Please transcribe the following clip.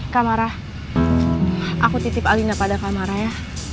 kamara aku titip alina pada kamara ya